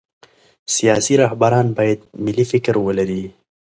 سیاسي رهبران باید ملي فکر ولري